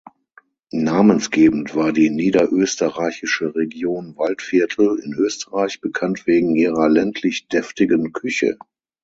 Namensgebend war die niederösterreichische Region Waldviertel, in Österreich, bekannt wegen ihrer ländlich-deftigen Küche.